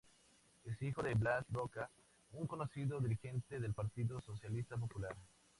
Es hijo de Blas Roca, un conocido dirigente del Partido Socialista Popular.